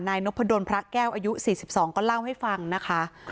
นพดลพระแก้วอายุ๔๒ก็เล่าให้ฟังนะคะ